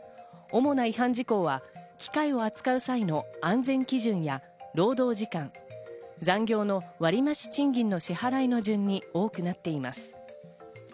主な違反事項は機械を扱う際の安全基準や労働時間、残業の割増賃金の支払いの順に多くなっています。